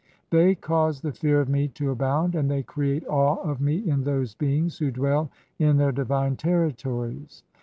They cause the fear "of me [to abound], and they create awe of (7) me in those beings "who dwell in their divine territories.